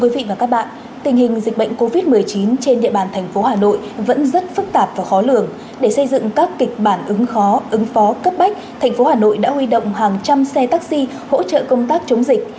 vẫn rất phức tạp và khó lường để xây dựng các kịch bản ứng khó ứng phó cấp bách tp hcm đã huy động hàng trăm xe taxi hỗ trợ công tác chống dịch